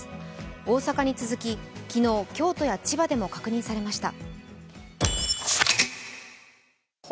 大阪に続き、昨日、京都や千葉でも確認されました。